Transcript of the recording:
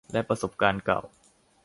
และประสบการณ์เก่า